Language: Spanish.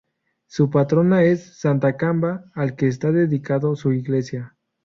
Su patrona es Santa Comba, al que está dedicado su iglesia.